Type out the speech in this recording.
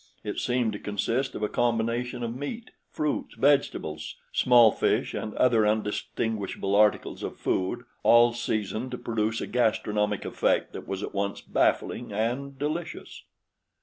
It seemed to consist of a combination of meat, fruits, vegetables, small fish and other undistinguishable articles of food all seasoned to produce a gastronomic effect that was at once baffling and delicious.